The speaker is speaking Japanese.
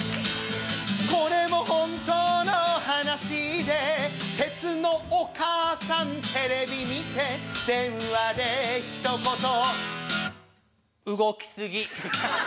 これも本当の話でテツのお母さんテレビ見て電話でひと言「動き過ぎ」。